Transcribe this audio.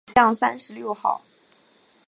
五巷三十六号